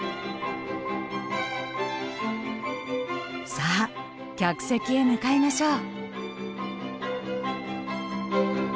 さあ客席へ向かいましょう。